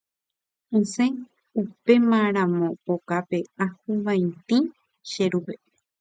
Asẽ upémaramo okápe ahuvaitĩ che rúpe.